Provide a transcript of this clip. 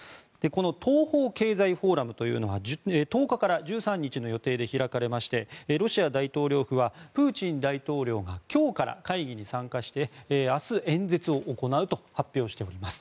東方経済フォーラムというのは１０日から１３日の予定で開かれましてロシア大統領府はプーチン大統領が今日から会議に参加して明日、演説を行うと発表しております。